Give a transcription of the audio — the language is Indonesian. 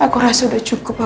aku bisa bawa dia ke rumah